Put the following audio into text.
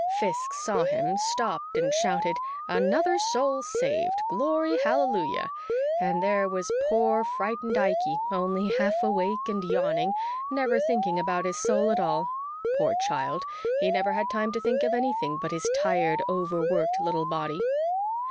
Fiske saw him, stopped and shouted, 'Another soul saved! Glory Hallelujah!' And there was poor, frightened Ikey, only half awake and yawning, never thinking about his soul at all. Poor child, he never had time to think of anything but his tired, overworked little body.